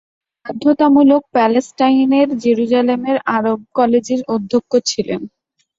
তিনি বাধ্যতামূলক প্যালেস্টাইনের জেরুজালেমের আরব কলেজের অধ্যক্ষ ছিলেন।